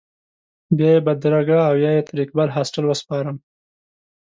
بیا یې بدرګه او یا یې تر اقبال هاسټل وسپارم.